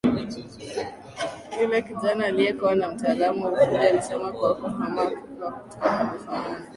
Yule kijana aliyekuwa na mtaalamu wa ufundi alisema kwa kuhamaki kuwa havifanani